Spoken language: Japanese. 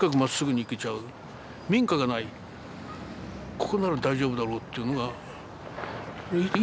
ここなら大丈夫だろうっていうのが。